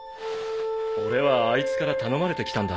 俺はあいつから頼まれて来たんだ。